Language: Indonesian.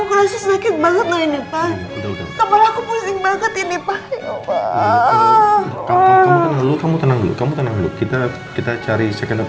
maaf ibu saya rasa ada yang salah dalam diri saya sendiri dok